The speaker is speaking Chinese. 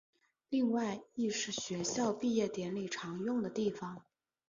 另外亦是学校毕业典礼常用的地方。